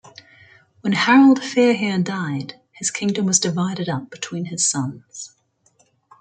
When Harald Fairhair died, his kingdom was divided up between his sons.